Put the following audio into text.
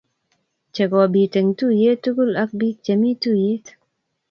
chekobit eng tuyet tugul ab bik chemi tuyet